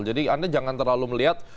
jadi anda jangan terlalu melihat